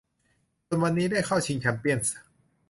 จนวันนี้ได้เข้าชิงแชมเปี้ยนส์